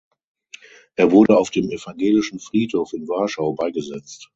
Er wurde auf dem evangelischen Friedhof in Warschau beigesetzt.